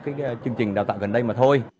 chúng ta mới có chương trình đào tạo gần đây mà thôi